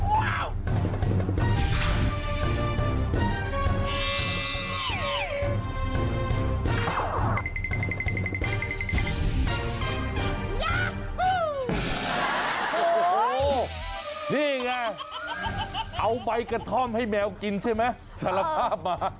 โอ้โหนี่ไงเอาใบกระท่อมให้แมวกินใช่ไหมสารภาพมา